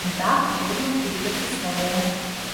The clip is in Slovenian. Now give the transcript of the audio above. Vrag vedno pride po svoje.